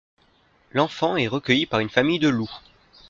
L'enfant est recueilli par une famille de loups.